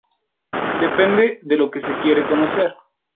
Depende de lo que se quiere conocer.